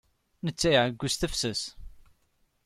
Netta iɛeyyu s tefses.